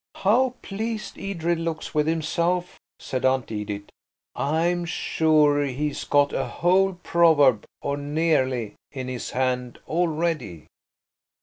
"How pleased Edred looks with himself!" said Aunt Edith; "I'm sure he's got a whole proverb, or nearly, in his hand already."